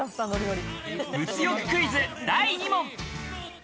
物欲クイズ、第２問。